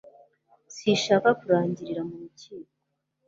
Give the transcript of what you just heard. Sinshaka kurangirira mu rukiko